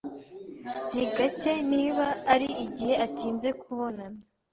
Ni gake, niba ari igihe, atinze kubonana.